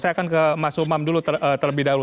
saya akan ke mas umam dulu terlebih dahulu